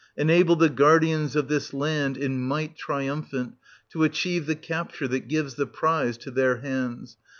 Enable the guardians of this land, in might triumphant, to achieve the capture that gives the prize to their hands